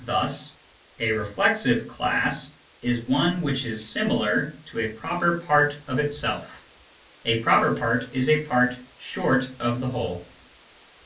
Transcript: Thus : A " reflexive " class is one which is similar to a proper part of itself. (A " proper part " is a part short of the whole.)